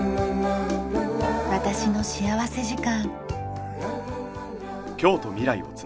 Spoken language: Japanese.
『私の幸福時間』。